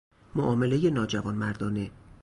معاملهی ناجوانمردانه